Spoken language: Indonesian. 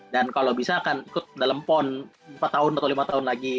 dan kalau bisa akan ikut dalem pon empat tahun atau lima tahun lagi